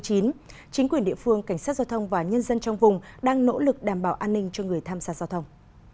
chính quyền địa phương cảnh sát giao thông và nhân dân trong vùng đang nỗ lực đảm bảo an ninh cho người tham gia giao thông